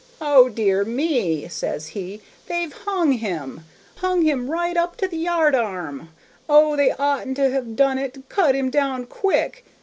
'O, dear me,' says he, 'they've hung him, hung him right up to the yard arm! O, they oughtn't to have done it; cut him down quick!